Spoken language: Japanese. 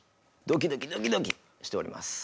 ドキドキ、ドキドキしております。